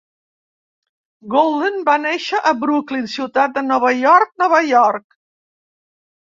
Golden va néixer a Brooklyn, ciutat de Nova York, Nova York.